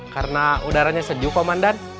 karena udaranya sejuk komandan